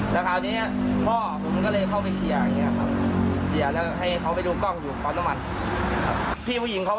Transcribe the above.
แถบนี้พ่อผมก็เลยเข้าไปเชียร์